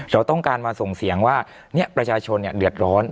เราต้องการมาส่งเสียงว่าเนี้ยประชาชนเนี้ยเดือดร้อน